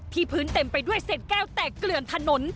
พื้นเต็มไปด้วยเศษแก้วแตกเกลื่อนถนน